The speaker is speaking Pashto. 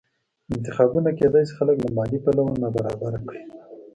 انتخابونه کېدای شي خلک له مالي پلوه نابرابره کړي